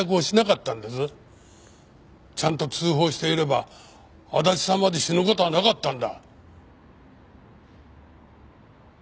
ちゃんと通報していれば足立さんまで死ぬ事はなかったんだ。